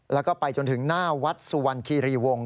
แล้วก็ไปจนถึงหน้าวัดสุวรรณคีรีวงศ